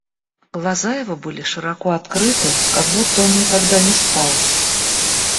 Глаза его были широко открыты, как будто он никогда не спал.